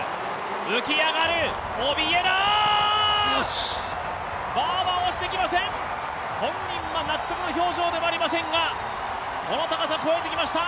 浮き上がるオビエナ、バーは落ちてきません、本人は納得の表情ではありませんがこの高さ越えてきました。